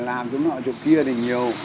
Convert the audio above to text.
làm cái nọ chỗ kia thì nhiều